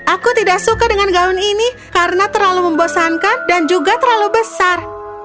aku tidak suka dengan gaun ini karena terlalu membosankan dan juga terlalu besar